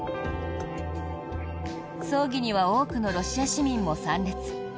葬儀には多くのロシア市民も参列。